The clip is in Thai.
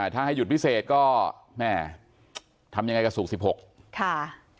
ถ้าให้หยุดพิเศษก็แม่ทำยังไงกับศุกร์๑๖ค่ะ